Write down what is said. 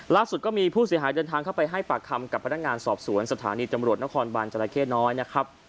ล่าสุดก็มีผู้เสียหายเดินทางเข้าไปให้ปากคำกับพนักงานสอบสวนสถานีตำรวจนครบานจราเข้น้อยนะครับ